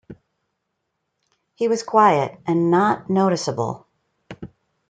He was quiet and not noticeable.